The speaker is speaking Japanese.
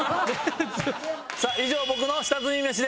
さあ以上僕の下積みメシです。